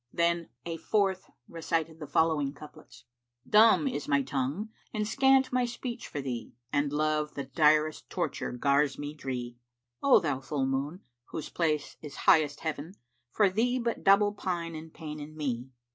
Then a fourth recited the following couplets, "Dumb is my tongue and scant my speech for thee * And Love the direst torture gars me dree: O thou full Moon, whose place is highest Heaven, * For thee but double pine and pain in me."